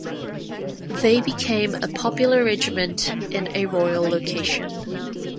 They became a popular regiment in a royal location.